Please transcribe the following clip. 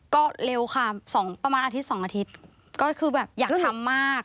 ก็เร็วค่ะสองประมาณอาทิตย์๒อาทิตย์ก็คือแบบอยากทำมาก